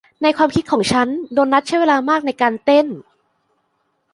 ในความคิดของฉันโดนัทใช้เวลามากในการเต้น